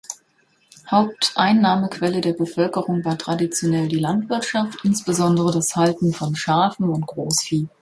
Haupteinnahmequelle der Bevölkerung war traditionell die Landwirtschaft, insbesondere das Halten von Schafen und Großvieh.